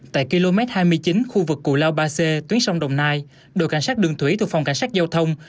tại km hai mươi chín khu vực cù lao ba c tuyến sông đồng nai đội cảnh sát đường thủy thuộc phòng cảnh sát giao thông